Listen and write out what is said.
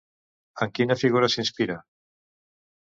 En quina figura s'inspira?